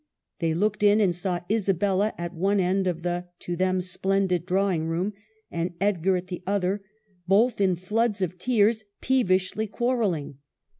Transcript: They looked in, and saw Isabella at one end of the, to them, splendid drawing room, and Edgar at the other, both in floods of tears, peevishly quarrelling.